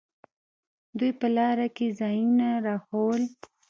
دوى په لاره کښې ځايونه راښوول.